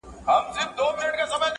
جنگ چي نه کوي، لو ډبره اخلي.